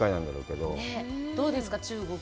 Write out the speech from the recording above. どうですか、中国。